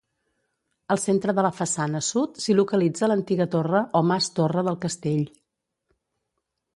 Al centre de la façana sud s'hi localitza l'antiga torre o mas-torre del castell.